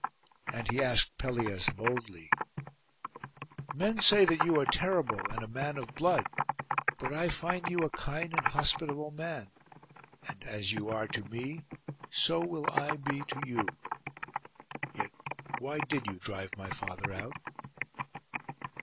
And he asked Pelias boldly, 'Men say that you are terrible, and a man of blood; but I find you a kind and hospitable man; and as you are to me, so will I be to you. Yet why did you drive my father out?